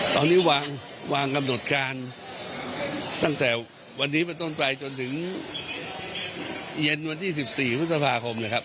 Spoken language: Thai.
ตอนนี้วางกำหนดการตั้งแต่วันนี้เป็นต้นไปจนถึงเย็นวันที่๑๔พฤษภาคมเลยครับ